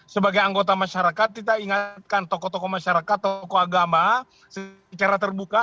sebagai anggota masyarakat kita ingatkan tokoh tokoh masyarakat tokoh agama secara terbuka